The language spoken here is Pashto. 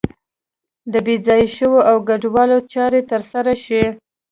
د بې ځایه شویو او کډوالو چارې تر سره شي.